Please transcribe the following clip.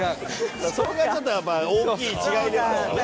それがちょっとやっぱ大きい違いでしたよね。